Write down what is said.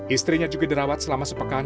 istrinya juga dirawat selama sepekan